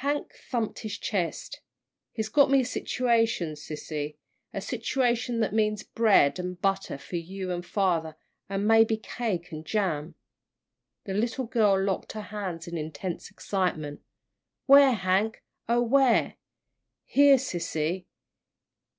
Hank thumped his chest. "He's got me a situation, sissy, a situation that means bread and butter for you and father, and maybe cake and jam." The little girl locked her hands in intense excitement. "Where, Hank, oh, where?" "Here, sissy."